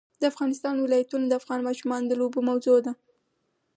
د افغانستان ولايتونه د افغان ماشومانو د لوبو موضوع ده.